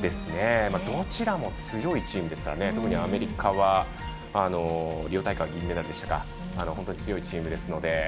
どちらも強いチームですから特にアメリカはリオ大会は銀メダルでしたが本当に強いチームですので。